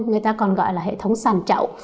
người ta còn gọi là hệ thống sàn trậu